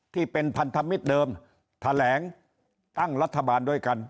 ที่เป็นพันธมิตรเดิมแถลงตั้งรัฐบาลด้วยกัน